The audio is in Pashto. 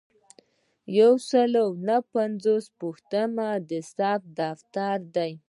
یو سل او نهه پنځوسمه پوښتنه د ثبت دفتر دی.